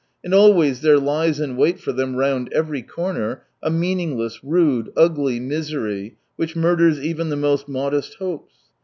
And always there Jies in wait for them round every corner a meaningless, rude, ugly misery which murders even the most modest hopes.